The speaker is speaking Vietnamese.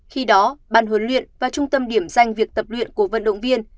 khi đó ban huấn luyện và trung tâm điểm danh việc tập luyện của vận động viên